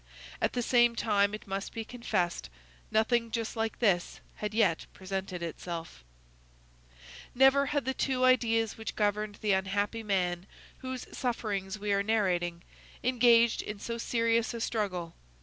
At the same time, it must be confessed, nothing just like this had yet presented itself. Never had the two ideas which governed the unhappy man whose sufferings we are narrating, engaged in so serious a struggle.